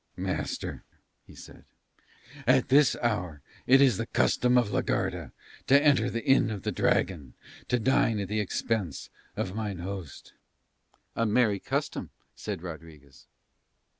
"Master," he said, "at this hour it is the custom of la Garda to enter the Inn of the Dragon and to dine at the expense of mine host." "A merry custom," said Rodriguez.